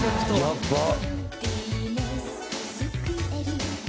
「やばっ！」